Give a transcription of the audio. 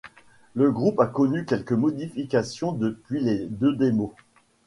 Le groupe a connu quelques modifications depuis les deux démos.